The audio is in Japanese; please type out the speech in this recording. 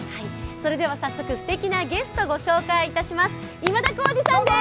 それでは早速、すてきなゲストをご紹介いたします。